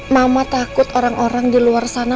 mama takut orang orang di luar sana